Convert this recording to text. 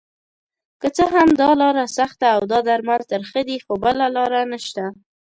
که څه هم داحل لاره سخته اودا درمل ترخه دي خو بله لاره نشته